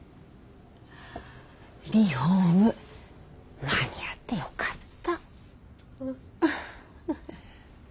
リフォーム間に合ってよかった。